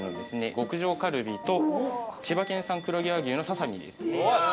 極上カルビと千葉県産黒毛和牛のササミですね。